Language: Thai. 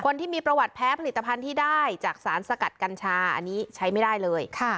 คนที่มีประวัติแพ้ผลิตภัณฑ์ที่ได้จากสารสกัดกัญชาอันนี้ใช้ไม่ได้เลย